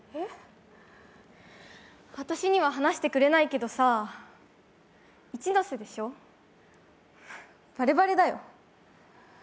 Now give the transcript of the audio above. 私には話してくれないけどさ、イチノセでしょ、バレバレだよ。